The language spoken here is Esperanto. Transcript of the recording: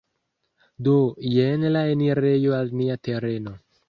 Do, jen la enirejo al nia tereno